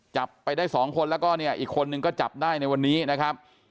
จับไปได้สองคนแล้วก็เนี่ยอีกคนนึงก็จับได้ในวันนี้นะครับ